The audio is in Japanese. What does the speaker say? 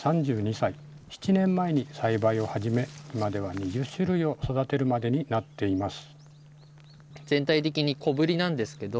３２歳、７年前に栽培を始め、今では２０種類を育てるまでになっています。